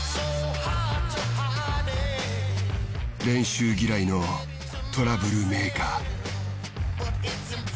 練習嫌いのトラブルメーカー。